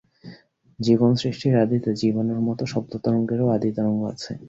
জীবনসৃষ্টির আদিতে জীবাণুর মত শব্দতরঙ্গেরও আদি-তরঙ্গ আছে।